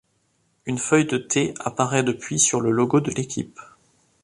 Une feuille de thé apparaît depuis sur le logo de l'équipe.